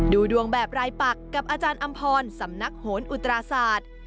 ดูดวงแบบรายปักกับอาจารย์อำพรสำนักโหนอุตราศาสตร์